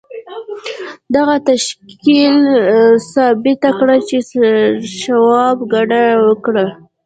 دغه تشکیل ثابته کړه چې شواب ګټه وکړه